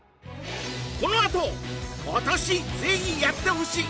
このあと今年ぜひやってほしい！